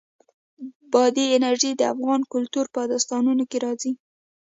بادي انرژي د افغان کلتور په داستانونو کې راځي.